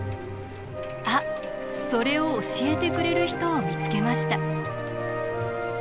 あっそれを教えてくれる人を見つけました。